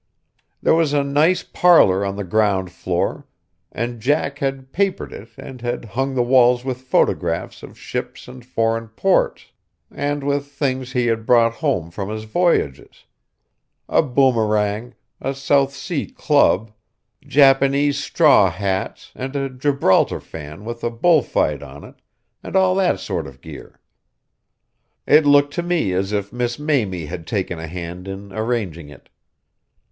There was a nice parlour on the ground floor, and Jack had papered it and had hung the walls with photographs of ships and foreign ports, and with things he had brought home from his voyages: a boomerang, a South Sea club, Japanese straw hats and a Gibraltar fan with a bull fight on it, and all that sort of gear. It looked to me as if Miss Mamie had taken a hand in arranging it.